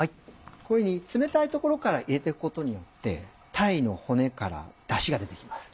こういうふうに冷たいところから入れて行くことによって鯛の骨からダシが出て来ます。